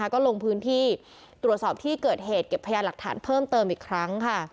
ก็ลงพื้นที่ตรวจสอบที่เกิดเหตุเก็บพยานหลักฐานเพิ่มเติมอีกครั้งค่ะ